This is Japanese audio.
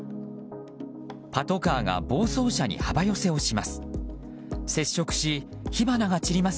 パトカーが暴走車に幅寄せをします。